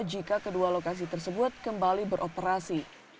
jika kedua lokasi tersebut kembali beroperasi